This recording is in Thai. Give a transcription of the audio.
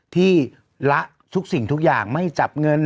ที่ละทุกสิ่งทุกอย่างไม่จับเงิน